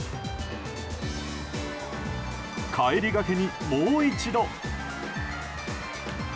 帰りがけにもう一度。